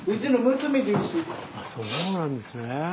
スタジオあっそうなんですね。